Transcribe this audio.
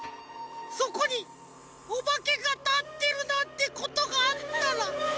そこにおばけがたってるなんてことがあったら。